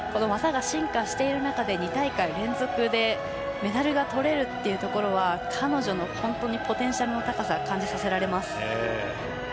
技が進化している中で２大会連続でメダルがとれるというところは彼女のポテンシャルの高さを感じさせます。